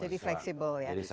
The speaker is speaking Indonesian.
jadi fleksibel ya